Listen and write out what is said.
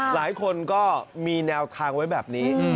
หลายคนก็มีแนวทางไว้แบบนี้